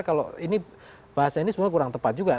kalau ini bahasa ini sebenarnya kurang tepat juga